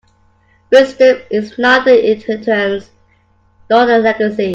Wisdom is neither inheritance nor a legacy.